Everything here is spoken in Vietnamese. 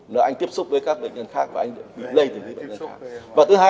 là anh tiếp xúc với các bệnh nhân khác và anh lây từ bệnh nhân khác